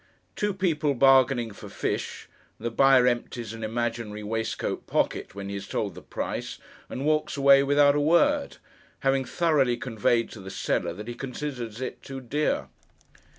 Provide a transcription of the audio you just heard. Two people bargaining for fish, the buyer empties an imaginary waistcoat pocket when he is told the price, and walks away without a word: having thoroughly conveyed to the seller that he considers it too dear.